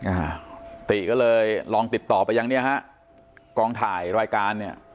อ่าติก็เลยลองติดต่อไปยังเนี่ยฮะกองถ่ายรายการเนี่ย